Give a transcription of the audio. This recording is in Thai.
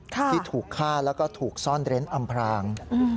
ที่ถูกฆ่าแล้วก็ถูกซ่อนเร้นอำพราง